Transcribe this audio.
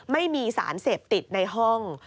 ไม่มีสารเสพติดในห้อง